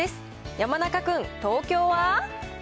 山中君、東京は？